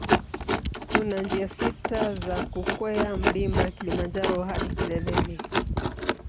Kuna njia sita za kukwea mlima Kilimanjaro hadi kileleni